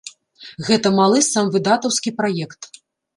Гэта малы самвыдатаўскі праект.